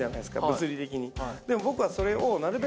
物理的に。